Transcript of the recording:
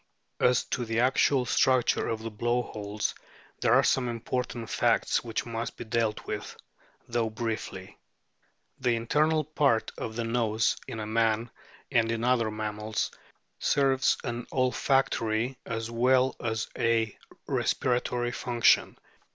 As to the actual structure of the blow holes there are some important facts which must be dealt with, though briefly. The internal part of the nose in man and in other mammals serves an olfactory as well as a respiratory function.